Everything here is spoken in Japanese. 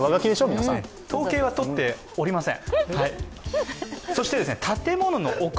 統計は取っていません。